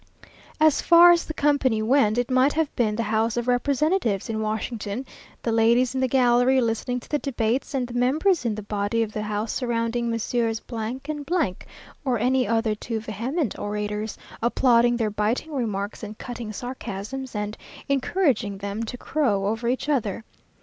As far as the company went, it might have been the House of Representatives in Washington; the ladies in the gallery listening to the debates, and the members in the body of the house surrounding Messrs. and , or any other two vehement orators; applauding their biting remarks and cutting sarcasms, and encouraging them to crow over each other.